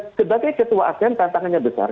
dan sebagai ketua asean tantangannya besar